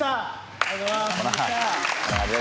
ありがとうございます。